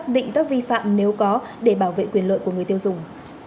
định các vi phạm nếu có để bảo vệ quyền lợi của người tiêu dùng